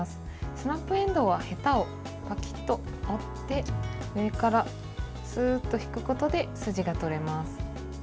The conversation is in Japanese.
スナップえんどうはヘタをパキッと折って上からスーッと引くことで筋が取れます。